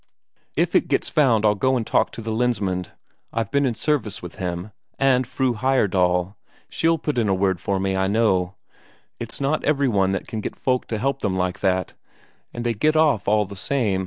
"If it gets found out I'll go and talk to the Lensmand; I've been in service with him. And Fru Heyerdahl, she'll put in a word for me, I know. It's not every one that can get folk to help them like that, and they get off all the same.